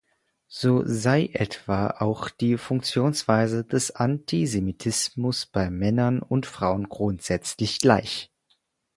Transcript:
So sei etwa auch die Funktionsweise des Antisemitismus bei Männern und Frauen grundsätzlich gleich.